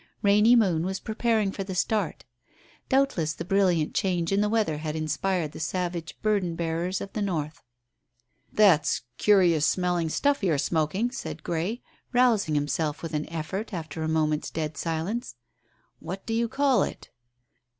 Rainy Moon was preparing for the start. Doubtless the brilliant change in the weather had inspired the savage burden bearers of the north. "That's curious smelling stuff you're smoking," said Grey, rousing himself with an effort after a moment's dead silence. "What do you call it?"